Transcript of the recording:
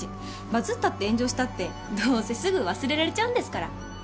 バズったって炎上したってどうせすぐ忘れられちゃうんですから。